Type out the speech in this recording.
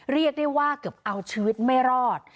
เรียกได้ว่าเกือบเอาชีวิตไม่รอด